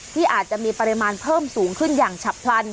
ที่อาจจะมีปริมาณเพิ่มสูงขึ้นอย่างฉับพลัน